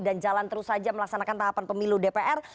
dan jalan terus saja melaksanakan tahapan pemilu dpr